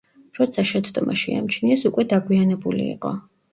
როცა შეცდომა შეამჩნიეს, უკვე დაგვიანებული იყო.